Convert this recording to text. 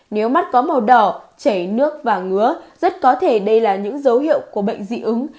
nếu mắt có màu đỏ chảy nước và ngứa rất có thể đây là những dấu hiệu của bệnh dị ứng